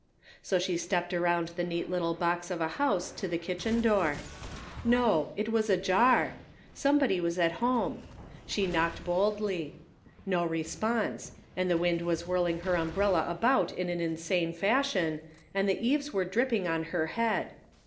So she stepped around the neat little box of a house to the kitchen door. No, it was ajar ; somebody was at home ; she knocked boldly. No response ; and the wind was whirl ing her umbrella about in an insane fashion, and the eaves were dripping on her head.